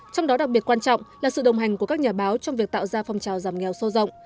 trong đó đặc biệt quan trọng là sự đồng hành của các nhà báo trong việc tạo ra phong trào giảm nghèo sâu rộng